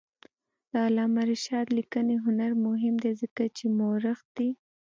د علامه رشاد لیکنی هنر مهم دی ځکه چې مؤرخ دی.